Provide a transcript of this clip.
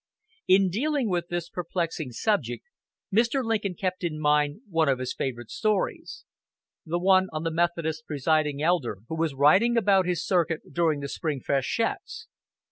In dealing with this perplexing subject. Mr. Lincoln kept in mind one of his favorite stories: the one on the Methodist Presiding Elder who was riding about his circuit during the spring freshets.